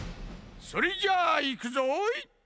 それじゃいくぞい！